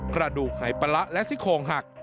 กระดูกหายปะละและซี่โคงหัก